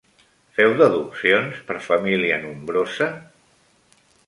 Feu deduccions per família nombrosa?